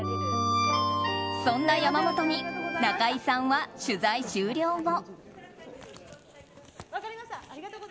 そんな山本に中井さんは取材終了後。